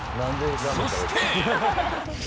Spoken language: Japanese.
そして。